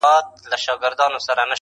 • وخته راسه مرور ستوري پخلا کړو..